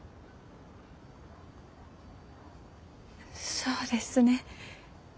そうですね。